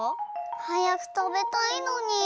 はやくたべたいのに！